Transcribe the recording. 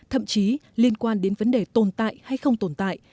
thậm chí liên quan đến vấn đề tồn tại hay không tồn tại